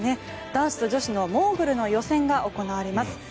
男子と女子のモーグルの予選が行われます。